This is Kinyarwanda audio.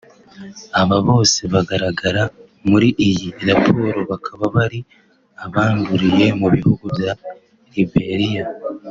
Aba bose bagaragara muri iyi raporo bakaba ari abanduriye mu bihugu bya Liberia